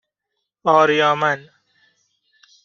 آریامن